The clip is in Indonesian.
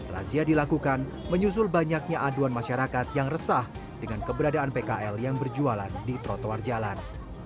razia dilakukan menyusul banyaknya aduan masyarakat yang resah dengan keberadaan pkl yang berjualan di trotoar jalan